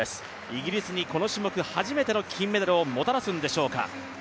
イギリスにこの種目初めての金メダルをもたらすんでしょうか。